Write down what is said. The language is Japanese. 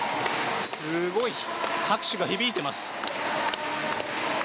すごい拍手が響いてます。